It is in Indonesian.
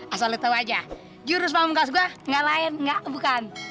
asal lo tau aja jurus panggung kas gua ga lain ga bukan